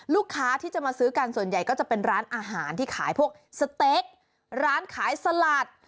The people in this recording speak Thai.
ลูกค้าที่จะมาซื้อกันส่วนใหญ่ก็จะเป็นร้านอาหารที่ขายพวกสเต็กร้านขายสลัด